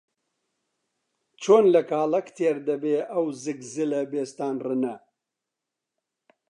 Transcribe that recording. چۆن لە کاڵەک تێر دەبێ ئەو زگ زلە بێستان ڕنە؟